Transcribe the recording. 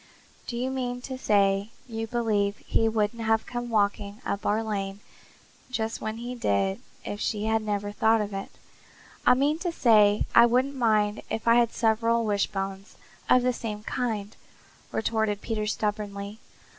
Do you mean to say you believe he wouldn't have come walking up our lane just when he did if she had never thought of it?" "I mean to say that I wouldn't mind if I had several wishbones of the same kind," retorted Peter stubbornly.